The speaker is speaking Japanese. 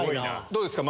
どうですか？